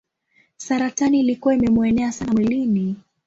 Saratani ilikuwa imemuenea sana mwilini.